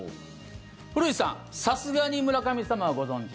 古市さん、さすがに村上様はご存じ？